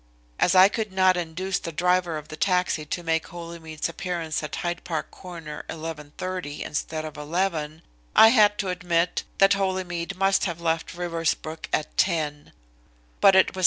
As I could not induce the driver of the taxi to make Holymead's appearance at Hyde Park Corner 11.30 instead of 11, I had to admit that Holymead must have left Riversbrook at 10. But it was 10.